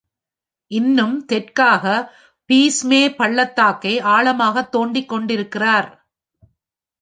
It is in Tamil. இன்னும் தெற்காக, பீஸ்மே பள்ளத்தாக்கை ஆழமாக தோண்டிக்கொண்டிருக்கிறார்.